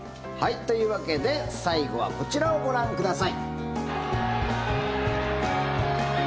というわけで最後はこちらをご覧ください。